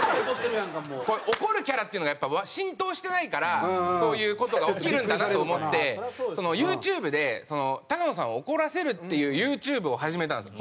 怒るキャラっていうのがやっぱ浸透してないからそういう事が起きるんだなと思ってユーチューブで高野さんを怒らせるっていうユーチューブを始めたんですよ。